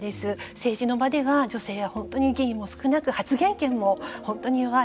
政治の場では女性は本当に議員も少なく発言権も本当に弱い。